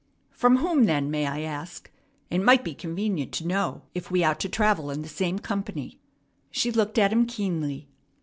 "From whom, then, may I ask? It might be convenient to know, if we are to travel in the same company." She looked at him keenly.